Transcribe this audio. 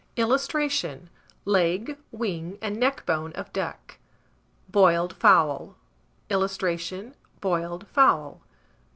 [Illustration: LEG, WING, AND NECKBONE OF DUCK.] BOILED FOWL. [Illustration: BOILED FOWL.